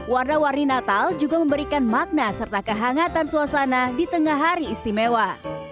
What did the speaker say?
warna warni natal juga memberikan makna serta kehangatan suasana di tengah hari istimewa